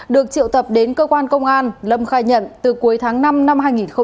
được triệu tập đến cơ quan công an lâm khai nhận từ cuối tháng năm năm hai nghìn hai mươi ba